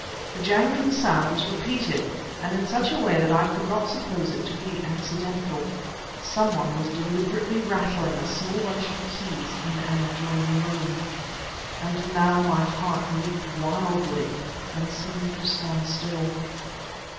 The jangling sound was repeated, and in such a way that I could not suppose it to be accidental. Some one was deliberately rattling a small bunch of keys in an adjoining room. And now my heart leaped wildly then seemed to stand still.